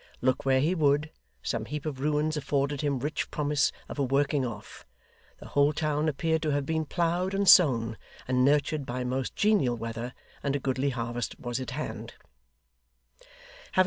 Look where he would, some heap of ruins afforded him rich promise of a working off; the whole town appeared to have been ploughed and sown, and nurtured by most genial weather; and a goodly harvest was at hand.